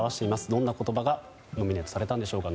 どんな言葉がノミネートされたんでしょうか。